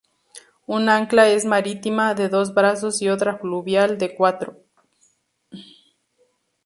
Un ancla es marítima, de dos brazos, y otra fluvial, de cuatro.